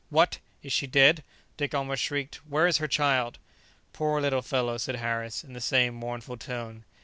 "What! is she dead?" Dick almost shrieked; "where is her child?" "Poor little fellow!" said Harris, in the same mournful tone.